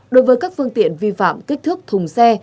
đối với các phương tiện vi phạm kích thước thùng xe